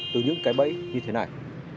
từ những cái bẫy như thế này